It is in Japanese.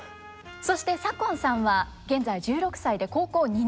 そして左近さんは現在１６歳で高校２年生。